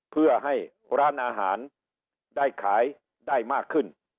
เพื่อให้ร้านอาหารได้ขายได้มากขึ้น